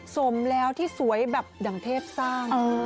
สมแล้วที่สวยแบบดั่งเทพสร้าง